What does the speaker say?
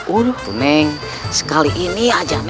aduh tuh neng sekali ini aja neng